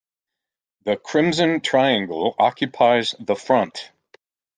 The crimson triangle occupies the front.